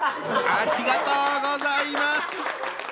ありがとうございます。